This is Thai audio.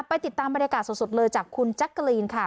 ไปติดตามบรรยากาศส่วนสุดจากคุณจั๊กลีนค่ะ